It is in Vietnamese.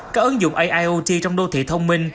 các ứng dụng aiot trong đô thị thông minh